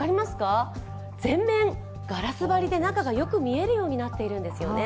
全面ガラス張りで中がよく見えるようになっているんですよね。